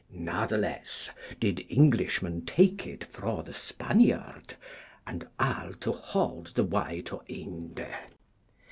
Natheless did Englishmen take it fro the Spanyard, and all to hold the way to Ynde.